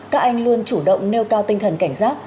các anh luôn chủ động nêu cao tinh thần cảnh giác